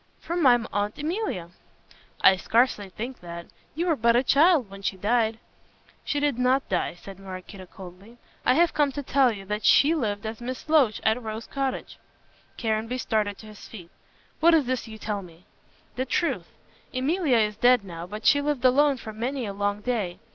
"From my Aunt Emilia." "I scarcely think that. You were but a child when she died." "She did not die," said Maraquito coldly. "I have come to tell you that she lived as Miss Loach at Rose Cottage." Caranby started to his feet. "What is this you tell me?" "The truth. Emilia is dead now, but she lived alone for many a long day.